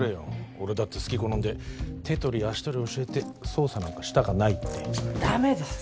俺だってすき好んで手取り足取り教えて捜査なんかしたかないってダメです